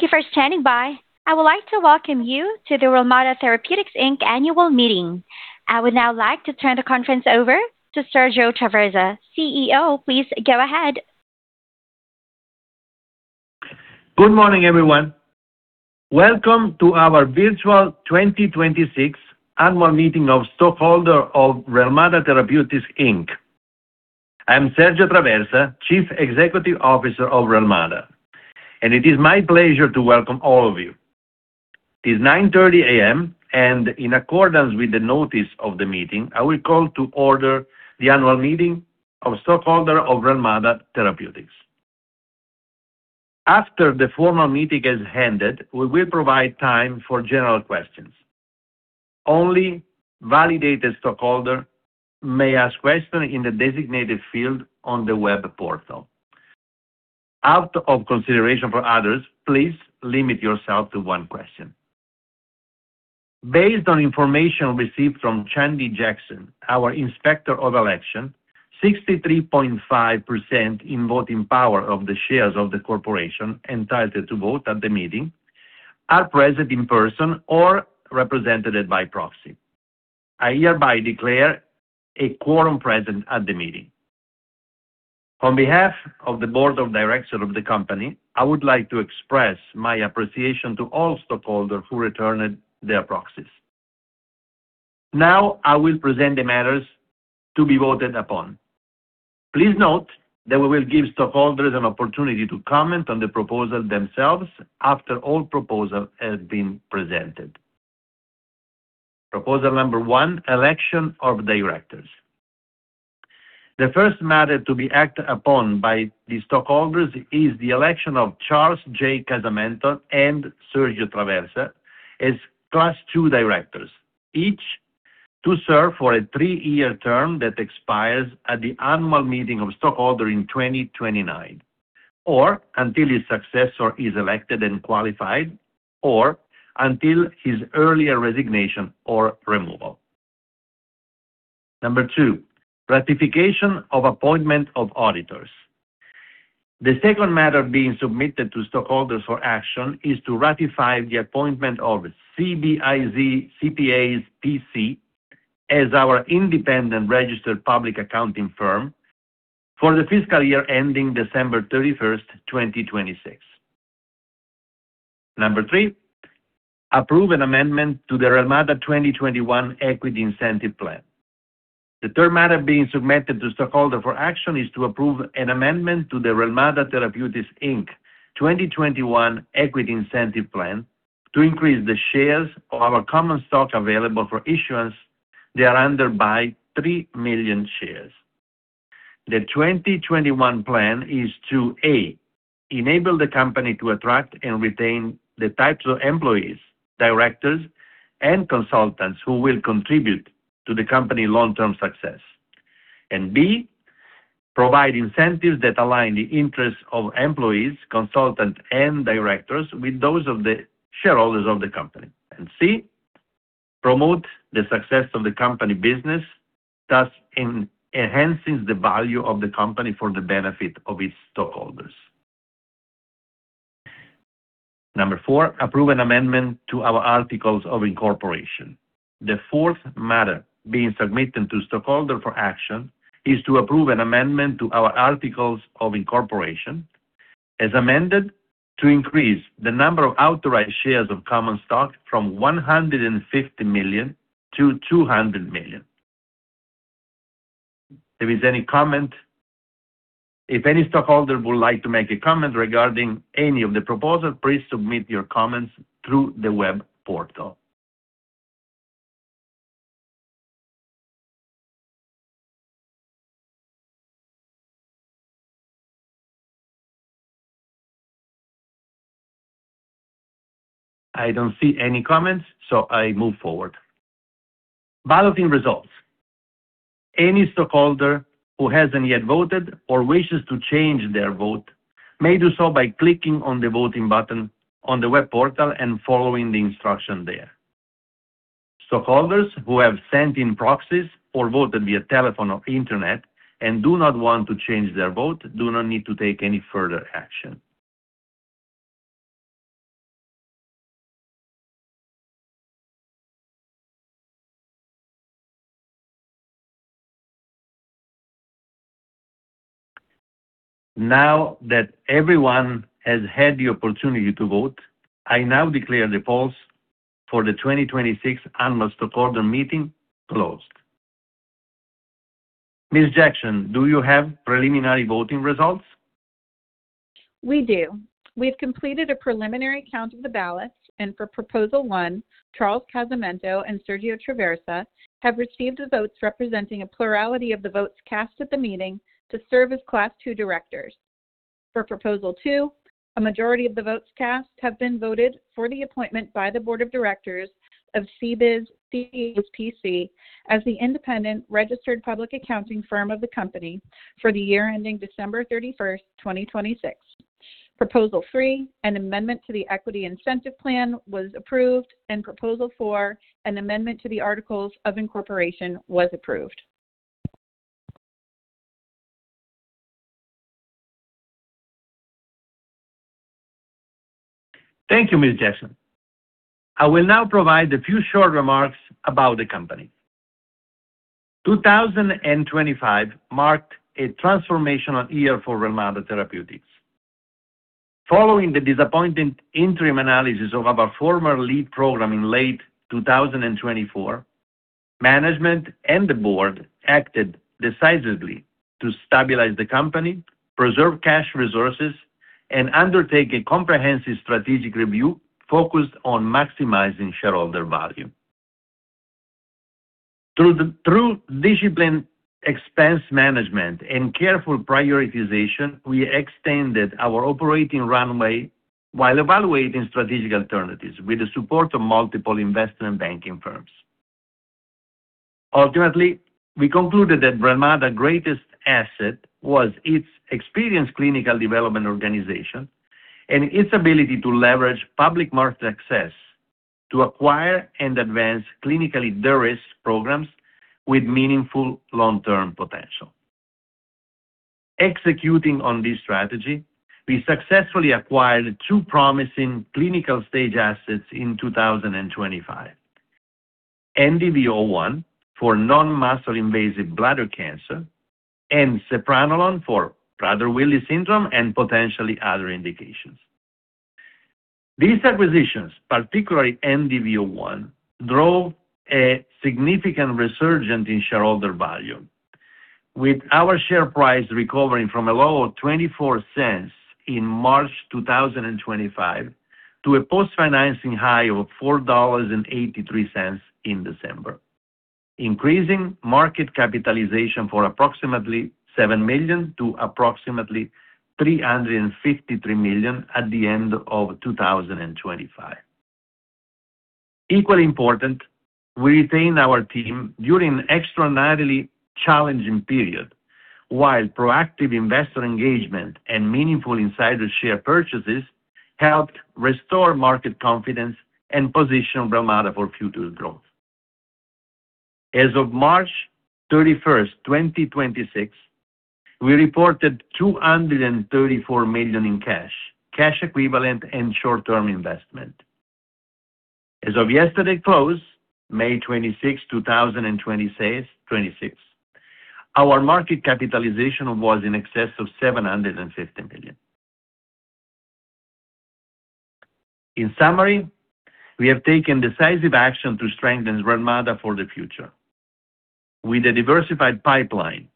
Thank you for standing by. I would like to welcome you to the Relmada Therapeutics, Inc. annual meeting. I would now like to turn the conference over to Sergio Traversa, CEO. Please go ahead. Good morning, everyone. Welcome to our virtual 2026 annual meeting of stockholders of Relmada Therapeutics, Inc. I'm Sergio Traversa, Chief Executive Officer of Relmada, and it is my pleasure to welcome all of you. It is 9:30 A.M., and in accordance with the notice of the meeting, I will call to order the annual meeting of stockholders of Relmada Therapeutics. After the formal meeting has ended, we will provide time for general questions. Only validated stockholders may ask questions in the designated field on the web portal. Out of consideration for others, please limit yourself to one question. Based on information received from Shandi Jackson, our Inspector of Election, 63.5% in voting power of the shares of the corporation entitled to vote at the meeting are present in person or represented by proxy. I hereby declare a quorum present at the meeting. On behalf of the Board of Directors of the company, I would like to express my appreciation to all stockholders who returned their proxies. Now, I will present the matters to be voted upon. Please note that we will give stockholders an opportunity to comment on the proposals themselves after all proposals have been presented. Proposal number one, election of directors. The first matter to be acted upon by the stockholders is the election of Charles J. Casamento and Sergio Traversa as Class II directors, each to serve for a three-year term that expires at the annual meeting of stockholders in 2029 or until his successor is elected and qualified, or until his earlier resignation or removal. Number two, ratification of appointment of auditors. The second matter being submitted to stockholders for action is to ratify the appointment of CBIZ CPAs, P.C. as our independent registered public accounting firm for the fiscal year ending December 31st, 2026. Number three, approve an amendment to the Relmada 2021 Equity Incentive Plan. The third matter being submitted to stockholders for action is to approve an amendment to the Relmada Therapeutics, Inc. 2021 Equity Incentive Plan to increase the shares of our common stock available for issuance thereunder by 3 million shares. The 2021 plan is to, A, enable the company to attract and retain the types of employees, directors, and consultants who will contribute to the company's long-term success. B, provide incentives that align the interests of employees, consultants, and directors with those of the shareholders of the company. C, promote the success of the company business, thus enhancing the value of the company for the benefit of its stockholders. Number four, approve an amendment to our articles of incorporation. The fourth matter being submitted to stockholders for action is to approve an amendment to our articles of incorporation, as amended, to increase the number of authorized shares of common stock from 150 million to 200 million. If any stockholder would like to make a comment regarding any of the proposals, please submit your comments through the web portal. I don't see any comments, so I move forward. Balloting results. Any stockholder who hasn't yet voted or wishes to change their vote may do so by clicking on the voting button on the web portal and following the instructions there. Stockholders who have sent in proxies or voted via telephone or internet and do not want to change their vote do not need to take any further action. Now that everyone has had the opportunity to vote, I now declare the polls for the 2026 Annual Stockholder Meeting closed. Ms. Jackson, do you have preliminary voting results? We do. We've completed a preliminary count of the ballots. For Proposal One, Charles Casamento and Sergio Traversa have received the votes representing a plurality of the votes cast at the meeting to serve as Class II directors. For Proposal Two, a majority of the votes cast have been voted for the appointment by the Board of Directors of CBIZ CPAs, P.C. as the independent registered public accounting firm of the company for the year ending December 31st, 2026. Proposal Three, an amendment to the Equity Incentive Plan, was approved. Proposal Four, an amendment to the articles of incorporation, was approved. Thank you, Ms. Jackson. I will now provide a few short remarks about the company. 2025 marked a transformational year for Relmada Therapeutics. Following the disappointing interim analysis of our former lead program in late 2024, management and the board acted decisively to stabilize the company, preserve cash resources, and undertake a comprehensive strategic review focused on maximizing shareholder value. Through disciplined expense management and careful prioritization, we extended our operating runway while evaluating strategic alternatives with the support of multiple investment banking firms. Ultimately, we concluded that Relmada greatest asset was its experienced clinical development organization and its ability to leverage public market success to acquire and advance clinically de-risked programs with meaningful long-term potential. Executing on this strategy, we successfully acquired two promising clinical-stage assets in 2025. NDV-01 for non-muscle invasive bladder cancer, and sepranolone for Prader-Willi syndrome and potentially other indications. These acquisitions, particularly NDV-01, drove a significant resurgence in shareholder value. With our share price recovering from a low of $0.24 in March 2025 to a post-financing high of $4.83 in December. Increasing market capitalization for approximately $7 million to approximately $353 million at the end of 2025. Equally important, we retained our team during an extraordinarily challenging period, while proactive investor engagement and meaningful insider share purchases helped restore market confidence and position Relmada for future growth. As of March 31st, 2026, we reported $234 million in cash equivalents and short-term investments. As of yesterday close, May 26th, 2026, our market capitalization was in excess of $750 million. In summary, we have taken decisive action to strengthen Relmada for the future. With a diversified pipeline,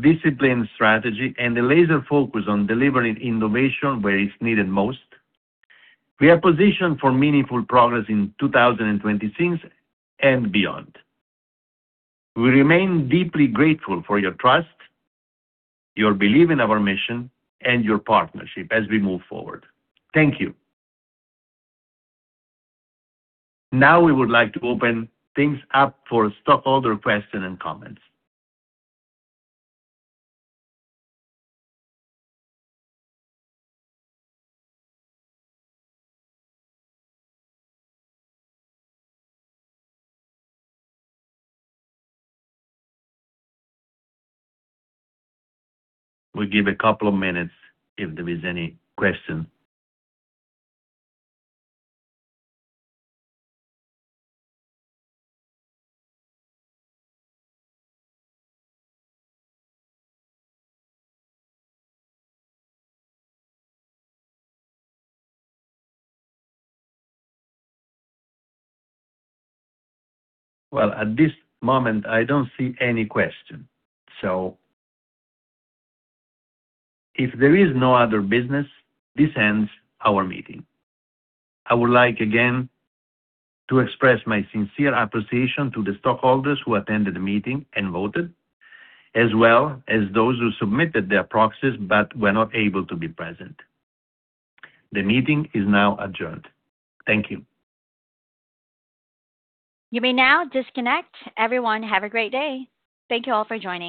disciplined strategy, and a laser focus on delivering innovation where it's needed most, we are positioned for meaningful progress in 2026 and beyond. We remain deeply grateful for your trust, your belief in our mission, and your partnership as we move forward. Thank you. Now we would like to open things up for stockholder questions and comments. We give a couple of minutes if there is any question. Well, at this moment, I don't see any question. If there is no other business, this ends our meeting. I would like again to express my sincere appreciation to the stockholders who attended the meeting and voted, as well as those who submitted their proxies but were not able to be present. The meeting is now adjourned. Thank you. You may now disconnect. Everyone have a great day. Thank you all for joining.